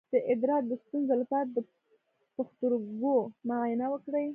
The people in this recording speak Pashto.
د ادرار د ستونزې لپاره د پښتورګو معاینه وکړئ